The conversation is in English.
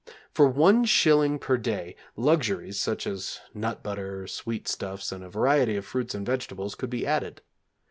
For one shilling per day, luxuries, such as nut butter, sweet stuffs, and a variety of fruits and vegetables could be added.